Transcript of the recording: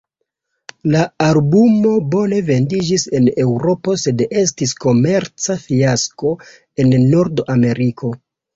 La albumo bone vendiĝis en Eŭropo sed estis komerca fiasko en Nord-Ameriko.